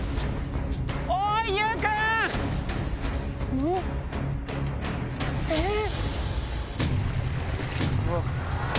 えっ⁉えっ⁉